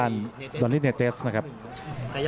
อัศวินาศาสตร์